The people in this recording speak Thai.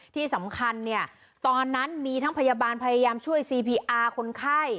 ที่สำคัญเนี่ยตอนนั้นมีทั้งพยาบาลพยายามช่วยซีพีอาร์คนไข้